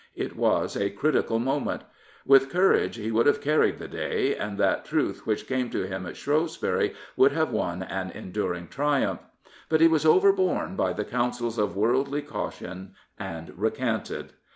It was a critical moment. With courage he would have carried the day, and that truth which came to him at Shrewsbury would have won an enduring triumph. But he was overborne by the counsels of worldly caution and recanted.